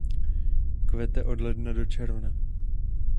Kvete od ledna do června.